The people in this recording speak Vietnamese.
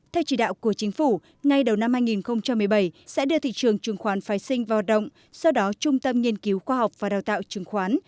theo chỉ đạo của chính phủ ngay đầu năm hai nghìn một mươi bảy sẽ đưa thị trường chứng khoán phái sinh vào động sau đó trung tâm nghiên cứu khoa học và đào tạo chứng khoán